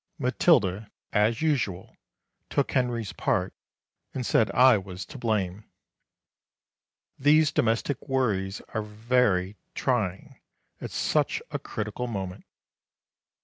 Matilda, as usual, took Henry's part, and said I was to blame. These domestic worries are very trying at such a critical moment.